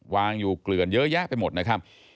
วางอยู่เกลือนเยอะแยะไปหมดนะครับ